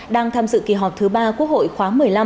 đang tham dự kỳ họp thứ ba quốc hội khóa một mươi năm